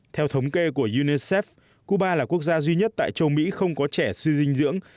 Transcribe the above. theo thống kê của unicef cuba là quốc gia duy nhất tại châu mỹ không có trẻ suy dinh dưỡng